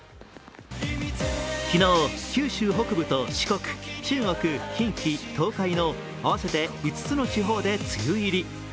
昨日、九州北部と四国、中国、近畿、東海の合わせて５つの地方で梅雨入り。